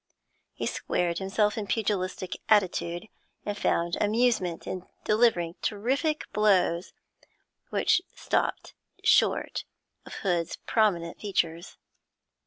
He squared himself in pugilistic attitude, and found amusement in delivering terrific blows which just stopped short of Hood's prominent features.